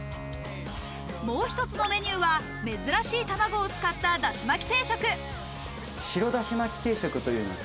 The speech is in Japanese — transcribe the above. もう一つのメニューは珍しい卵を使っただしまき定食。